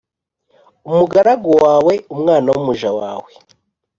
umugaragu wawe Umwana w umuja wawe